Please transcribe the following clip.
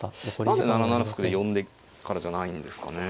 何で７七歩で呼んでからじゃないんですかね。